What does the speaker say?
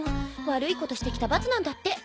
悪いことしてきた罰なんだって。